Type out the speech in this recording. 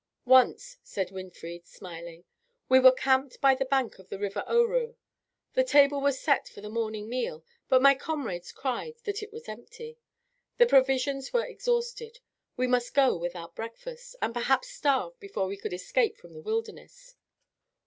"Once," said Winfried, smiling, "we were camped on the bank of the river Ohru. The table was set for the morning meal, but my comrades cried that it was empty; the provisions were exhausted; we must go without breakfast, and perhaps starve before we could escape from the wilderness.